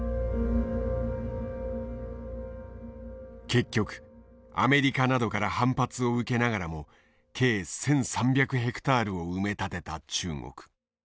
結局アメリカなどから反発を受けながらも計１，３００ヘクタールを埋め立てた中国。